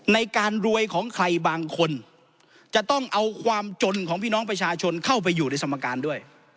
ในการรวยของใครบางคนจะต้องเอาความจนของพี่น้องประชาชนเข้าไปอยู่ในสมการด้วย